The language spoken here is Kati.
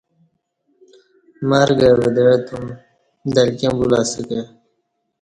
مرگہ ودعہ توم دلکیں بولہ اسہ کہ